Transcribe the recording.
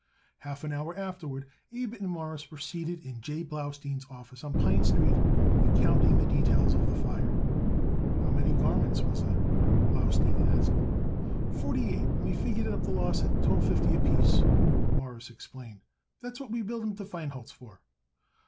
Half an hour afterward Abe and Morris were seated in J. Blaustein's office on Pine Street, recounting the details of the fire. "How many garments was there?" Blaustein asked. "Forty eight, and we figured it up the loss at twelve fifty apiece," Morris explained. "That's what we billed 'em to Feinholz for."